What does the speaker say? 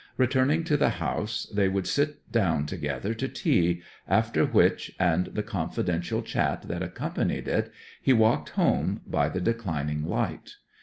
Returning to the house they would sit down together to tea, after which, and the confidential chat that accompanied it, he walked home by the declining light.